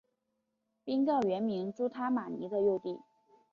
宾告原名朱他玛尼的幼弟。